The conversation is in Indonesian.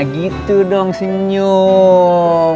gitu dong senyum